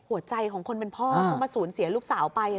หัวใจของคนเป็นพ่อเขามาสูญเสียลูกสาวไป